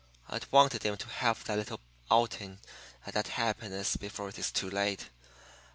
I wanted him to have that little outing and that happiness before it is too late.